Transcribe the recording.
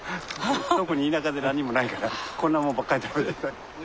特に田舎で何もないからこんなもんばっかり食べてた。